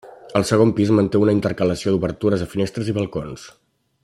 El segon pis manté una intercalació d'obertures de finestres i balcons.